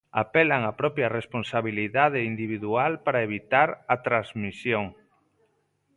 Apelan á propia responsabilidade individual para evitar a transmisión.